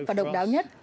và độc đáo nhất